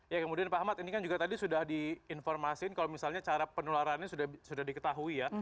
ya kemudian pak ahmad ini kan juga tadi sudah diinformasikan kalau misalnya cara penularannya sudah diketahui ya